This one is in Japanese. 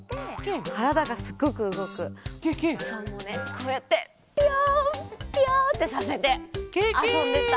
こうやってピヨンピヨンってさせてあそんでた。